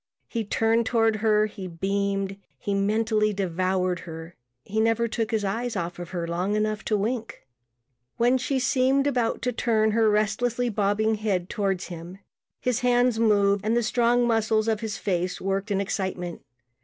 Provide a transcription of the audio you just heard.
He turned toward her; he beamed; he mentally devoured her; he never took his eyes off her long enough to wink. When she seemed about to turn her restlessly bobbing head toward him, his hands moved and the strong muscles of his face worked in excitement.